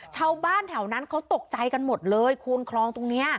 ชาวบ้านแถวนั้นเขาตกใจกันหมดเลยคูณคลองตรงนี้